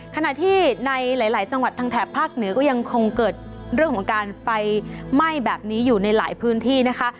ขณะที่ในหลายจังหวัดทางแถบภาคเหนือก็ยังคงเกิดเรื่องของการไฟไหม้แบบนี้อยู่ในหลายพื้นที่นะคะ